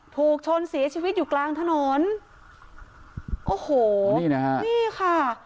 ถูกชนเสียชีวิตอยู่กลางถนนโอ้โหนี่นะฮะนี่ค่ะ